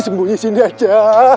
sembunyi sini aja